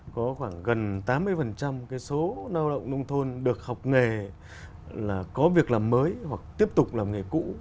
có khoảng gần tám mươi cái số lao động nông thôn được học nghề là có việc làm mới hoặc tiếp tục làm nghề cũ